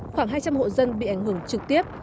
khoảng hai trăm linh hộ dân bị ảnh hưởng trực tiếp